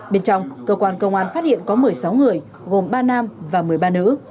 bên trong cơ quan công an phát hiện có một mươi sáu người gồm ba nam và một mươi ba nữ